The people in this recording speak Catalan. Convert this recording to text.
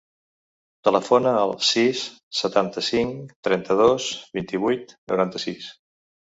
Telefona al sis, setanta-cinc, trenta-dos, vint-i-vuit, noranta-sis.